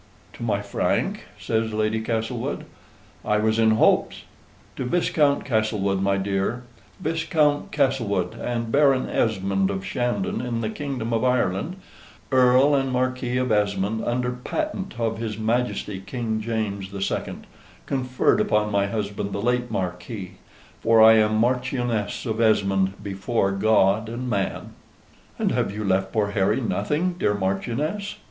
"To my Frank?" says Lady Castlewood; "I was in hopes " To Viscount Castlewood, my dear; Viscount Castlewood and Baron Esmond of Shandon in the Kingdom of Ireland, Earl and Marquis of Esmond under patent of his Majesty King James the Second, conferred upon my husband the late Marquis for I am Marchioness of Esmond before God and man." "And have you left poor Harry nothing, dear Marchioness?"